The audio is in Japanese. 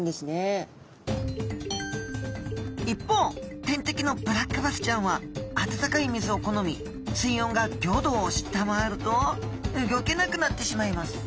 一方天敵のブラックバスちゃんは温かい水を好み水温が５℃を下回るとうギョけなくなってしまいます